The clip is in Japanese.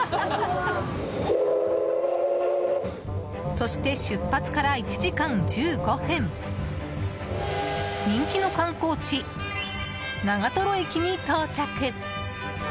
そして出発から１時間１５分人気の観光地・長瀞駅に到着。